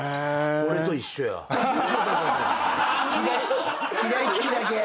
左左利きだけ。